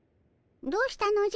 どうしたのじゃ？